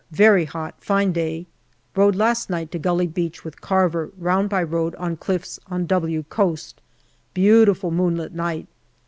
Very hot, fine day. Rode last night to Gully Beach with Carver, round by road on cliffs on " W " coast. Beautiful moonlight night.